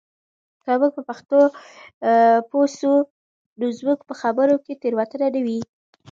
که موږ په پښتو پوه سو نو زموږ په خبرو کې تېروتنه نه وي.